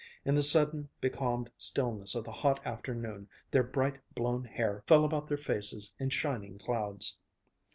In the sudden becalmed stillness of the hot afternoon their bright, blown hair fell about their faces in shining clouds.